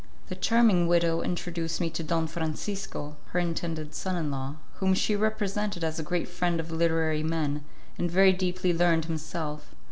The charming widow introduced me to Don Francisco, her intended son in law, whom she represented as a great friend of literary men, and very deeply learned himself.